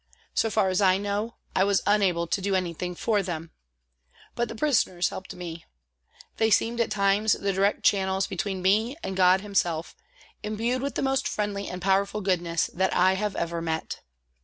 So far as I know, I was unable to do anything for them. But the prisoners helped me. They seemed at times the direct channels between me and God Himself, imbued with the most friendly and powerful goodness that I have ever met.